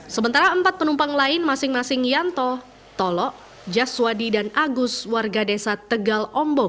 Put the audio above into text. sementara empat penumpang lain masing masing yanto tolok jaswadi dan agus warga desa tegal ombo